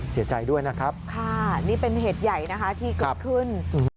เสียใจด้วยนะครับค่ะนี่เป็นเหตุใหญ่นะคะที่เกิดขึ้น